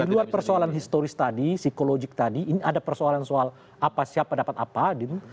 di luar persoalan historis tadi psikologik tadi ini ada persoalan soal apa siapa dapat apa gitu